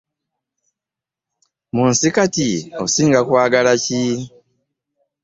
Mu nsi kati osinga kwagala ki?